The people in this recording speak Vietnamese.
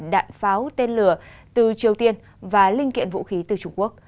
đạn pháo tên lửa từ triều tiên và linh kiện vũ khí từ trung quốc